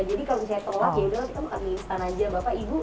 jadi kalau misalnya tolak yaudah kita makan mie instan aja bapak ibu